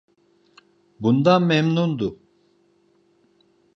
Bundan memnundu: